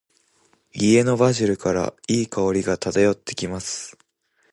家のバジルから、良い香りが漂ってきます。